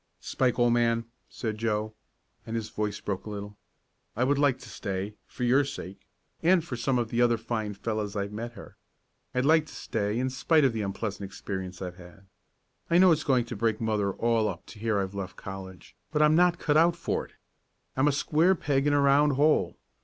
"Spike, old man," said Joe, and his voice broke a little. "I would like to stay, for your sake, and for some of the other fine fellows I've met here. I'd like to stay in spite of the unpleasant experience I've had. I know it's going to break mother all up to hear I've left college, but I'm not cut out for it. I'm a square peg in a round hole.